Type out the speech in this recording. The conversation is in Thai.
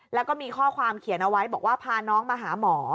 แล้วก็มีข้อความเขียนเอาไว้บอกว่าพาน้องมาหาหมอ